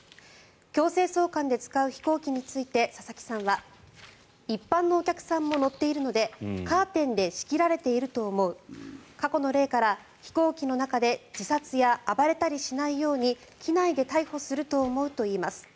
強制送還で使う飛行機について佐々木さんは一般のお客さんも乗っているのでカーテンで仕切られていると思う過去の例から飛行機の中で自殺や、暴れたりしないように機内で逮捕すると思うといいます。